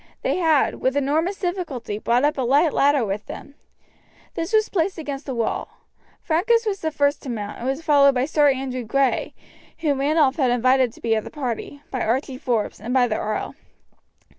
They had, with enormous difficulty, brought up a light ladder with them. This was placed against the wall. Francus was the first to mount, and was followed by Sir Andrew Grey, whom Randolph had invited to be of the party, by Archie Forbes, and by the earl.